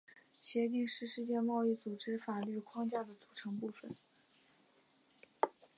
协定是世界贸易组织法律框架的组成部分。